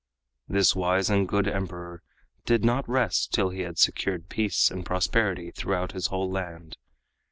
This wise and good Emperor did not rest till he had secured peace and prosperity throughout his whole land.